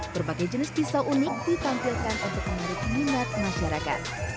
berbagai jenis pisau unik ditampilkan untuk menarik minat masyarakat